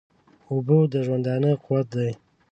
اوبه د ژوندانه قوت دي